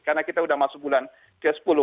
karena kita sudah masuk bulan ke sepuluh